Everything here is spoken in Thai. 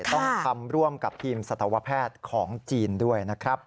ต้องทำร่วมกับทีมสัตวแพทย์ของจีนด้วยนะครับ